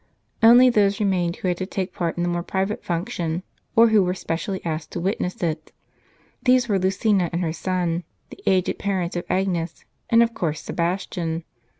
Only those remained who had to take part in the more private function, or who were spe cially asked to witness it. These were Lucina and her son, the aged parents of Agnes, and of course Sebastian.